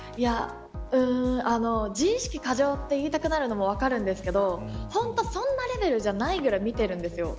自意識過剰と言いたくなるのは分かるんですけど本当にそんなレベルじゃないぐらい見ているんですよ。